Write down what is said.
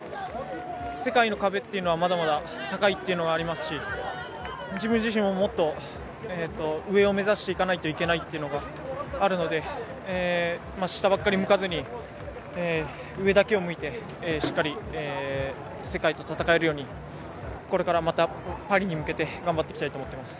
やっぱり世界の壁はまだまだ高いっていうのがありますし、自分自身ももっと上を目指していかないといけないというのがあるので下ばっかり向かずに、上だけを向いてしっかり世界と戦えるようにこれからまたパリに向けて頑張っていきたいと思ってます。